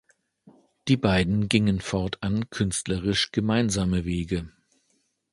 Die beiden gingen fortan künstlerisch gemeinsame Wege.